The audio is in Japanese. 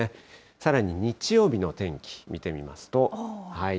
さらに日曜日の天気、見てみますと。